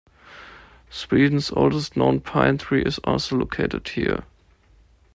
Sweden's oldest known pine tree is also located here.